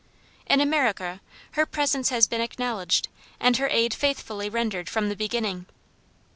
In America her presence has been acknowledged, and her aid faithfully rendered from the beginning.